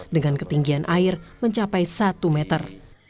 dengan ketinggian air mencapai satu meter